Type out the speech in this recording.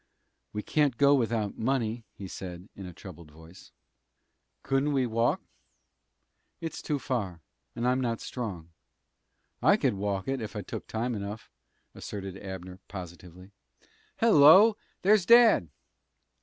"We can't go without money," he said, in a troubled voice. "Couldn't we walk?" "It's too far, and I'm not strong." "I could walk it, ef I took time enough," asserted Abner, positively. "Hello! there's dad!"